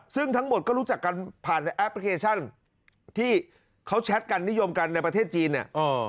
ซึ่งทั้งหมดก็รู้จักกันผ่านในแอปพลิเคชันที่เขาแชทกันนิยมกันในประเทศจีนเนี่ย